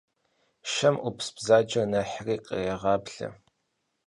Шэм Ӏупс бзаджэр нэхъри кърегъаблэ.